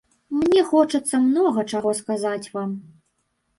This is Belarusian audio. Мне хочацца многа чаго сказаць вам.